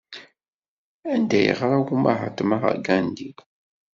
Anda ay yeɣra umahatma Gandhi?